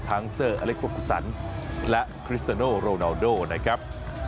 ทั้งเซอร์อาเล็กเฟอร์กูซานและคริสเตอร์โนโรนาลโดนะครับ